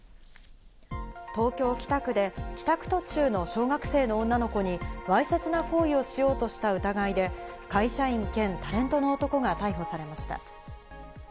東京・北区で帰宅途中の小学生の女の子にわいせつな行為をしようとした疑いで、会社員兼タレントの男が逮捕されました。